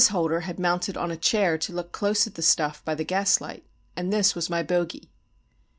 Holder had mounted on a chair to look close at the stuff by the gaslight; and this was my bogey!